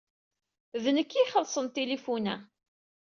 D nekk ay ixellṣen tinfulin-a.